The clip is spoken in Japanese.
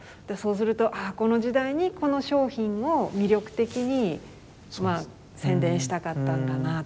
そうするとああこの時代にこの商品を魅力的に宣伝したかったんだなとか。